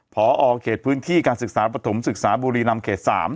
พอเขตพื้นที่การศึกษาปฐมศึกษาบุรีนำเขต๓